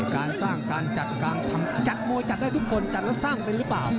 การสร้างการจัดการทำจัดมวยจัดได้ทุกคนจัดแล้วสร้างเป็นหรือเปล่า